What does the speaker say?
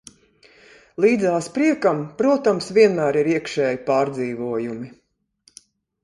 Līdzās priekam, protams, vienmēr ir iekšēji pārdzīvojumi.